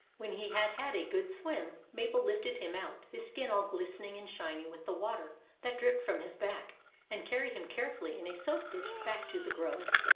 When he had had a good swim, Mabel lifted him out, his skin all glistening and shiny with the water that dripped from his back, and carried him carefully in a soap dish back to the grove.